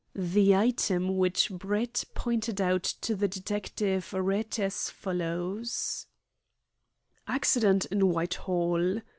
The item which Brett pointed out to the detective read as follows: "ACCIDENT IN WHITEHALL.